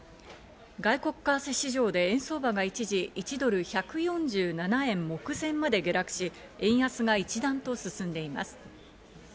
外国為替市場で円相場が一時、１ドル＝１４７円目前まで下落し、円安が一段と進んでいます。